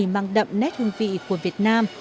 mang đậm nét hương vị của việt nam